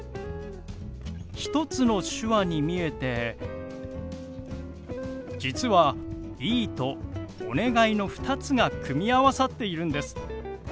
１つの手話に見えて実は「いい」と「お願い」の２つが組み合わさっているんです。